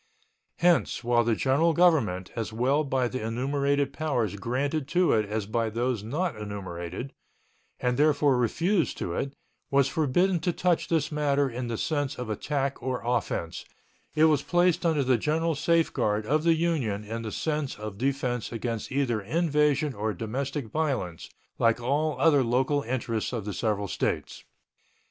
Hence, while the General Government, as well by the enumerated powers granted to it as by those not enumerated, and therefore refused to it, was forbidden to touch this matter in the sense of attack or offense, it was placed under the general safeguard of the Union in the sense of defense against either invasion or domestic violence, like all other local interests of the several States.